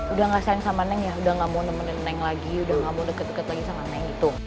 udah ngesign sama neng ya udah gak mau nemenin neng lagi udah gak mau deket deket lagi sama neng itu